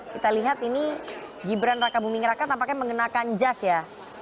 kita lihat ini gibran raka buming raka tampaknya mengenakan jas ya